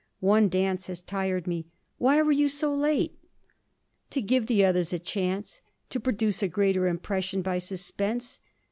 'One dance has tired me. Why were you so late?' 'To give the others a chance? To produce a greater impression by suspense?